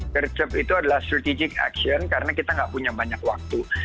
gercep itu adalah strategic action karena kita nggak punya banyak waktu